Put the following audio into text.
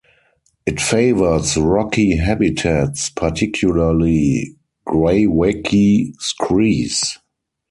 It favours rocky habitats, particularly greywacke screes.